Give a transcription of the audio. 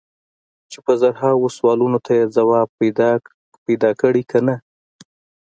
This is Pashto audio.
چې په زرهاوو سوالونو ته یې ځواب پیدا کړی که نه.